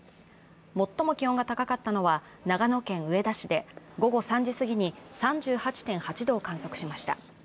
最も気温が高かったのは長野県上田市で、午後３時すぎに３８．８度を観測しました。